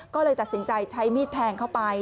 ก็เลยตัดสินใจใช้มีดแทงเข้าไป